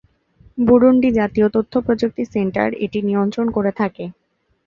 Burundi জাতীয় তথ্য প্রযুক্তি সেন্টার এটি নিয়ন্ত্রণ করে থাকে।